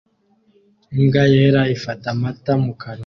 Imbwa yera ifata amata mu kanwa